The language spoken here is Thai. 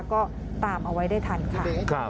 ก็ตามเอาไว้ได้ทันค่ะ